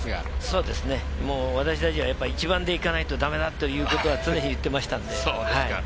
そうですね、私達は一番で行かないと駄目だというのは常に言っていましたんで。